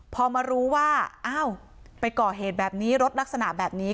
พอมารู้ว่าอ้าวไปก่อเหตุแบบนี้รถลักษณะแบบนี้